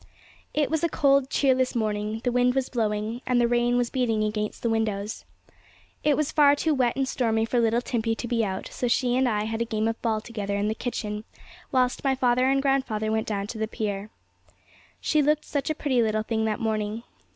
It was a cold, cheerless morning; the wind was blowing, and the rain was beating against the windows. It was far too wet and stormy for little Timpey to be out, so she and I had a game of ball together in the kitchen, whilst my father and grandfather went down to the pier. She looked such a pretty little thing that morning.